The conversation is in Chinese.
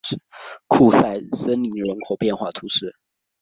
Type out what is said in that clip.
库赛树林人口变化图示